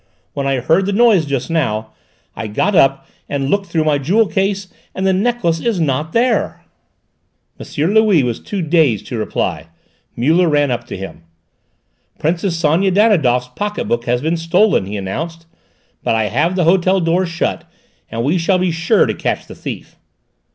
When I heard the noise just now, I got up and looked through my jewel case, and the necklace is not there." M. Louis was too dazed to reply. Muller ran up to him. "Princess Sonia Danidoff's pocket book has been stolen," he announced; "but I have had the hotel doors shut and we shall be sure to catch the thief."